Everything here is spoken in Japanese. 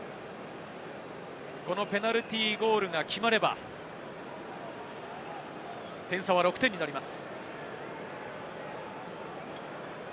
このペナルティーゴールが決まれば、点差は６点になります。